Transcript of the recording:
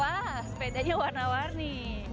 wah sepedanya warna warni